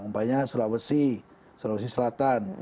umpamanya sulawesi sulawesi selatan